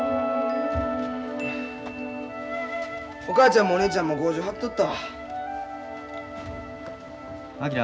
お母ちゃんもお姉ちゃんも強情張っとったわ。